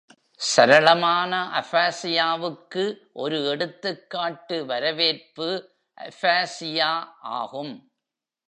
சரளமான அஃபாசியாவுக்கு ஒரு எடுத்துக்காட்டு வரவேற்பு அஃபாசியா ஆகும்.